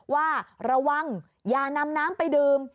ว่าระวังอย่านำน้ำไปดื่ม